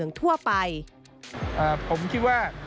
เป็นอย่างไรนั้นติดตามจากรายงานของคุณอัญชาฬีฟรีมั่วครับ